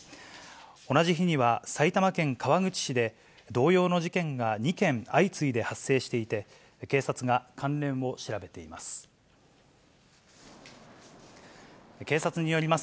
同じ日には、埼玉県川口市で同様の事件が２件相次いで発生していて、警察が関連を調べています。